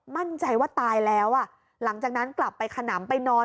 มั่นใจว่าตายแล้วอ่ะหลังจากนั้นกลับไปขนำไปนอน